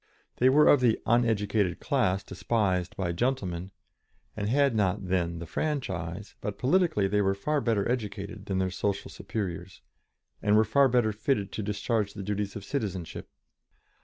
They were of the "uneducated" class despised by "gentlemen," and had not then the franchise, but politically they were far better educated than their social superiors, and were far better fitted to discharge the duties of citizenship.